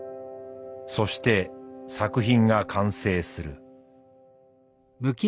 そして作品が完成する。